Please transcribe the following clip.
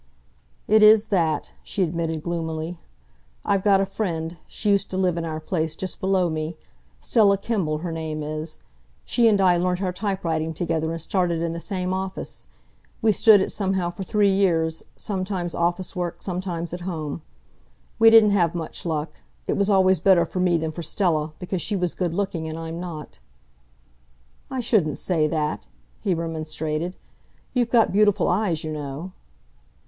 "It is that," she admitted gloomily. "I've got a friend she used to live in our place, just below me Stella Kimbell, her name is. She and I learnt our typewriting together and started in the same office. We stood it, somehow, for three years, sometimes office work, sometimes at home. We didn't have much luck. It was always better for me than for Stella, because she was good looking, and I'm not." "I shouldn't say that," he remonstrated. "You've got beautiful eyes, you know."